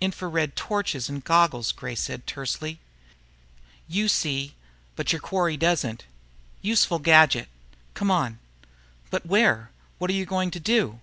"Infra red torches and goggles," Gray said tersely, "You see, but your quarry doesn't. Useful gadget. Come on." "But where? What are you going to do?"